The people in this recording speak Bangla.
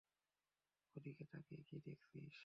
ওদিকে তাকিয়ে কী দেখছিস!